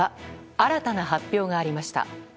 新たな発表がありました。